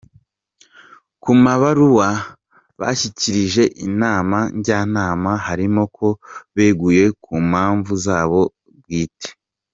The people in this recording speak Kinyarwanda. Ku mabaruwa bashyikirije Inama Njyanama harimo ko beguye “ ku mpamvu za bo bwite.